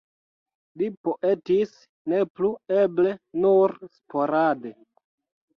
Li poetis ne plu, eble nur sporade.